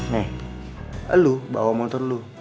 nih lu bawa motor lu